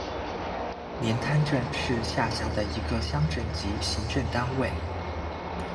连滩镇是下辖的一个乡镇级行政单位。